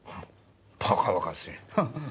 バカバカしいハハ。